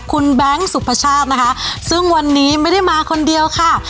คุณแบงค์สุภาชาตินะคะซึ่งวันนี้ไม่ได้มาคนเดียวค่ะ